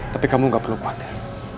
tapi kamu gak perlu pakai